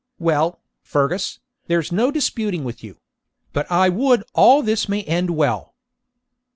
'Well, Fergus, there is no disputing with you; but I would all this may end well.'